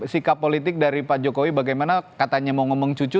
sikap politik dari pak jokowi bagaimana katanya mau ngomong cucu